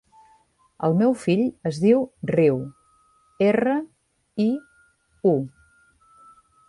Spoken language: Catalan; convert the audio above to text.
El meu fill es diu Riu: erra, i, u.